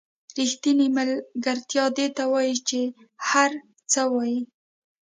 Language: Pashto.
ریښتینې ملګرتیا دې ته وایي چې هر څه وایئ.